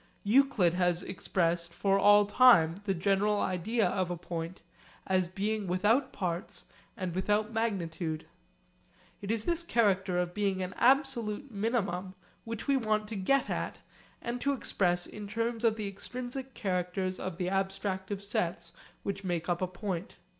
Euclid has expressed for all time the general idea of a point, as being without parts and without magnitude. It is this character of being an absolute minimum which we want to get at and to express in terms of the extrinsic characters of the abstractive sets which make up a point.